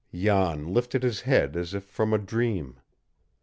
Jan lifted his head as if from a dream.